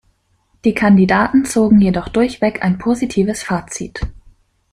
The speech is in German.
Die Kandidaten zogen jedoch durchweg ein positives Fazit.